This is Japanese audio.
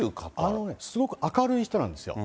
あのね、すごく明るい人なんですよ。